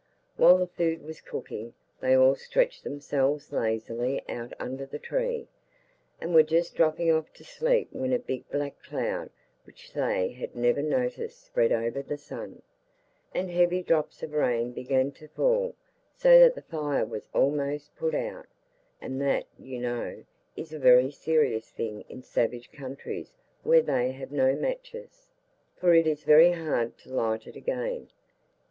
While the food was cooking they all stretched themselves lazily out under the tree, and were just dropping off to sleep when a big black cloud which they had never noticed spread over the sun, and heavy drops of rain began to fall, so that the fire was almost put out, and that, you know, is a very serious thing in savage countries where they have no matches, for it is very hard to light it again.